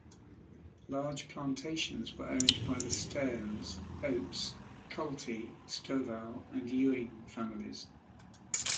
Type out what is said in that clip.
Large plantations were owned by the Stearns, Oates, Kalty, Stovall, and Ewing families.